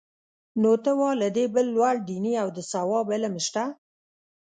نو ته وا له دې بل لوړ دیني او د ثواب علم شته؟